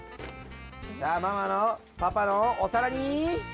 じゃあママのパパのおさらに。